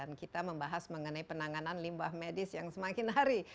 dan kita membahas mengenai penanganan limbah medis yang semakin hari